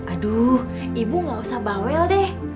aduh ibu gak usah bawel deh